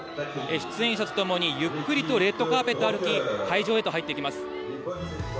出演者と共にゆっくりとレッドカーペットを歩き、会場へと入っていきます。